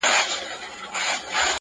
خداى ته مرض کم نه دئ، مريض ته بانه.